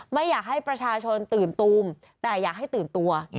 ไม่อยากให้ประชาชนตื่นตูมแต่อยากให้ตื่นตัว